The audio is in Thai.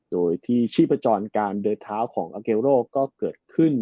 โดยที่ชีพจรการเดินเท้าของอาเกโรก็เกิดขึ้น